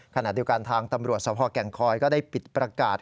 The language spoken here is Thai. ขณะเดียวกันทางตำรวจสภแก่งคอยก็ได้ปิดประกาศ